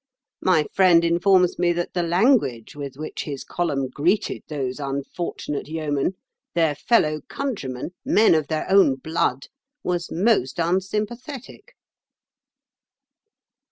My friend informs me that the language with which his column greeted those unfortunate Yeomen—their fellow countrymen, men of their own blood—was most unsympathetic."